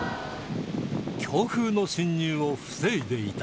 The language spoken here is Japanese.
強風の侵入を防いでいた